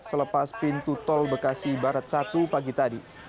selepas pintu tol bekasi barat satu pagi tadi